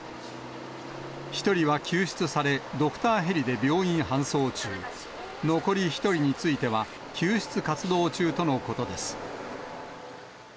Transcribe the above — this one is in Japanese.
１人は救出され、ドクターヘリで病院搬送中、残り１人については、救出活動中とのことです。